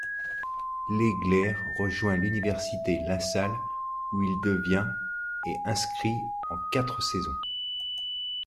Legler rejoint l'Université La Salle, où il devient ' et inscrit en quatre saisons.